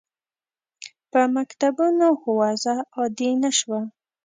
په مکتوبونو وضع عادي نه شوه.